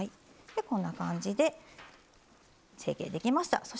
こんな感じで成形できました。